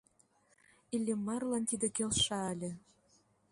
Иллимарлан тиде келша ыле.